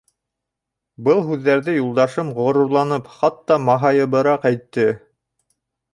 Был һүҙҙәрҙе юлдашым ғорурланып, хатта маһайыбыраҡ әйтте.